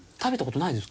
ないです。